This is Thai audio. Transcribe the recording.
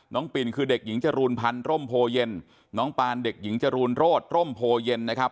ปินคือเด็กหญิงจรูนพันธ์ร่มโพเย็นน้องปานเด็กหญิงจรูนโรธร่มโพเย็นนะครับ